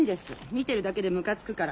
見てるだけでムカつくから。